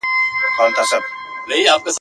الوتني یې کولې و هر لورته ..